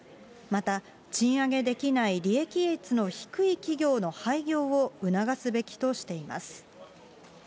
また賃上げできない利益率の低い企業の廃業を促すべきとしています。